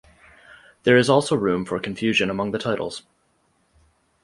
There is also room for confusion among the titles.